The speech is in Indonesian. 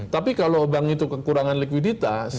tapi kalau bank itu kekurangan likuiditas